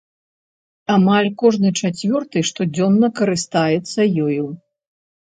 Амаль кожны чацвёрты штодзённа карыстаецца ёю.